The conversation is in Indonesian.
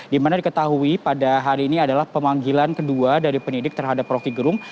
dimana diketahui pada hari ini adalah pemanggilan kedua dari penyidik terhadap rocky gerung